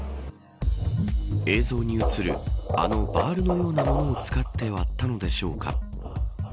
映像に映るあのバールのようなものを使って割ったのでしょうか。